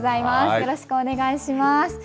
よろしくお願いします。